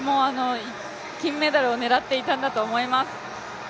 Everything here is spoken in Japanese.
金メダルを狙っていたんだと思います。